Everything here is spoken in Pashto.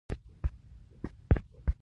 لاسونه او پښې یې ختلي وي.